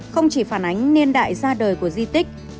không chỉ phản ánh niên đại ra đời của di tích